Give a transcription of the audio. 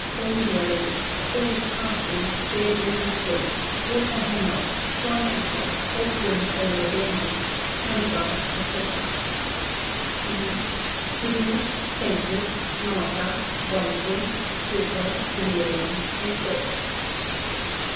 (Bane berries; fool's parsley; deadly nightshade; water hemlock; thorn apple; opium, or laudanum; camphor, &c.) E. Giddiness, faintness, nausea, vomiting, stupor, delirium, and death.